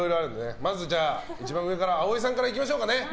まずは一番上から葵さんからいきましょうかね。